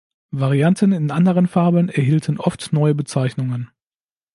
Varianten in anderen Farben erhielten oft neue Bezeichnungen.